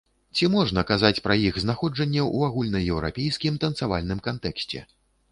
Ці можна казаць пра іх знаходжанне ў агульнаеўрапейскім танцавальным кантэксце?